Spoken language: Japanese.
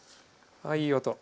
あいい音。